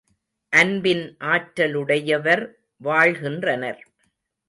அன்பின் ஆற்றலுடையவர் வாழ்கின்றனர்.